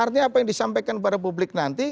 artinya apa yang disampaikan pada publik nanti